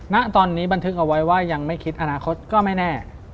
ณตอนนี้บันทึกเอาไว้ว่ายังไม่คิดอนาคตก็ไม่แน่